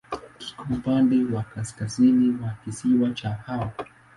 Kiko upande wa kaskazini wa kisiwa cha Hao.